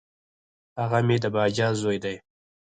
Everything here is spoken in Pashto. هغه مي د باجه زوی دی .